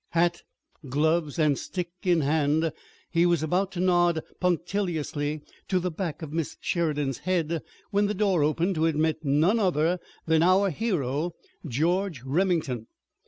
Hat, gloves and stick in hand, he was about to nod punctiliously to the back of Miss Sheridan's head when the door opened to admit none other than our hero, George Remington.